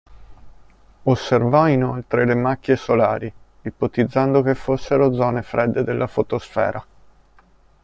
Osservò inoltre le macchie solari, ipotizzando che fossero zone fredde della fotosfera.